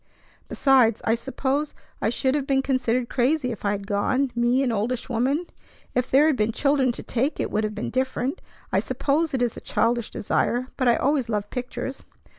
Besides, I suppose I should have been considered crazy if I had gone, me, an oldish woman! If there had been children to take, it would have been different. I suppose it is a childish desire, but I always loved pictures."